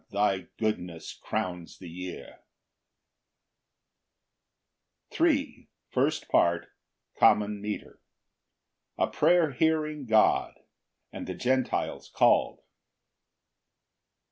thy goodness crowns the year. Psalm 65:3. First Part. C. M. A prayer hearing God, and the Gentiles called.